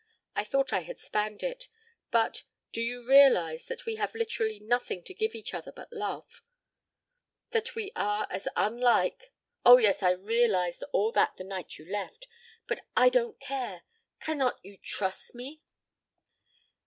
I thought I had spanned it, but do you realize that we have literally nothing to give each other but love? That we are as unlike " "Oh, yes, I realized all that the night you left. But I don't care. Cannot you trust me?"